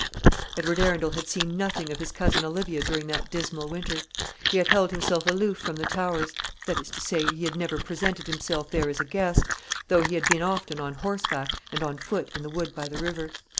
Edward Arundel had seen nothing of his cousin Olivia during that dismal winter. He had held himself aloof from the Towers, that is to say, he had never presented himself there as a guest, though he had been often on horseback and on foot in the wood by the river.